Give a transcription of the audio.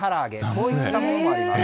こういったものもあります。